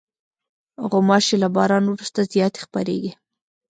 غوماشې له باران وروسته زیاتې خپرېږي.